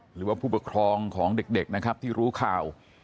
หรือว่าผู้ปกครองของเด็กนะครับที่รู้ข่าว